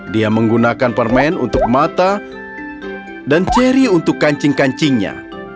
dia menggunakan permen untuk mata dan ceri untuk kancing kancingnya